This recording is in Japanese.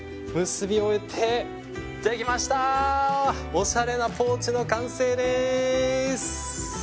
おしゃれなポーチの完成でーす！